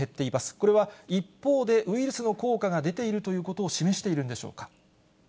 これは、一方で、ウイルスの効果が出ているということを示しているんでしょうか。